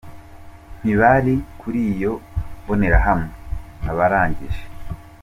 ntibari kuri iyo mbonerahamwe abarangije.